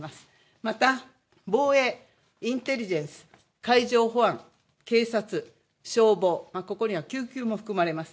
また、インテリジェンス、海上保安、警察、消防、ここには救急も含まれます。